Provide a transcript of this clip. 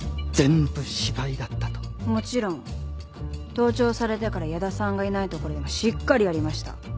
盗聴されてから屋田さんがいないとこでもしっかりやりました。